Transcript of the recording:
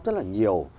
rất là nhiều